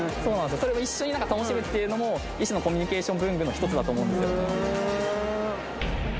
それを一緒に楽しむっていうのも一種のコミュニケーション文具の一つだと思うんですよね